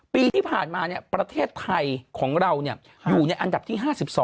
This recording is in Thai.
ปีที่ผ่านมาประเทศไทยของเราอยู่ในอันดับที่๕๒